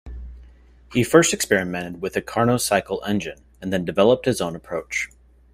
He first experimented with a Carnot Cycle engine, and then developed his own approach.